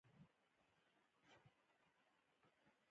ونټ ورت د پرانیستو سیاسي بنسټونو سرسخت پلوی و.